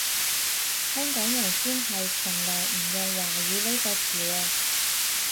香港人先係從來唔用華語呢個詞喎